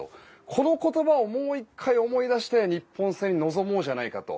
この言葉をもう１回思い出して日本戦に臨もうじゃないかと。